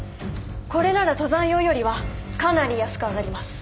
これなら登山用よりはかなり安く上がります。